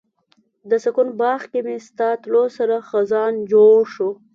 د سکون باغ کې مې ستا تلو سره خزان جوړ شو